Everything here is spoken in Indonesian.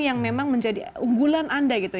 yang memang menjadi unggulan anda gitu